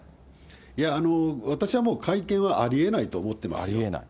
いや、私はもう会見はありえないと思ってます。